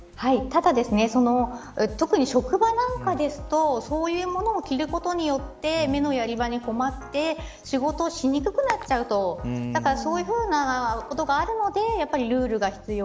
ただ特に、職場なんかですとそういうものを着ることによって目のやり場に困って仕事をしにくくなっちゃうとだからそういうふうなことがあるのでルールが必要。